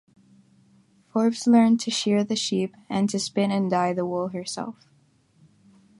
Forbes learned to shear the sheep and to spin and dye the wool herself.